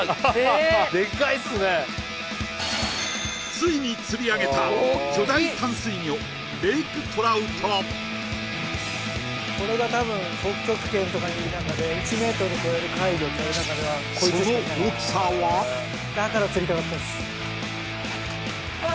ついに釣り上げたこれが多分北極圏とかにいる中で１ｍ超える怪魚っていわれる中ではこいつしかいないその大きさはだから釣りたかったんですあ